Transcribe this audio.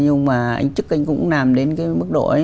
nhưng mà anh chức anh cũng làm đến cái mức độ ấy